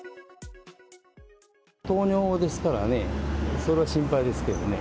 糖尿ですからね、それは心配ですけどね。